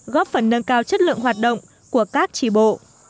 góp phần nâng cao chất lượng hoạt động của các tri bộ